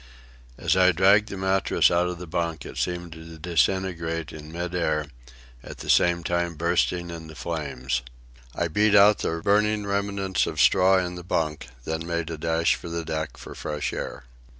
As I dragged the mattress out of the bunk it seemed to disintegrate in mid air, at the same time bursting into flames. I beat out the burning remnants of straw in the bunk, then made a dash for the deck for fresh air.